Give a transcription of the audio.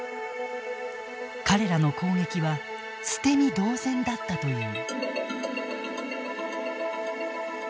彼らの攻撃は捨て身同然だったという。